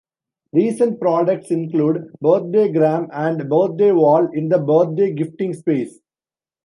Recent products include BirthdayGram and BirthdayWall in the birthday gifting space.